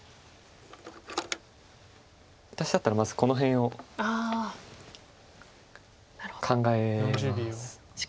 私だったらまずこの辺を考えます。